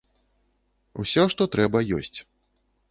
Усё, што трэба, ёсць.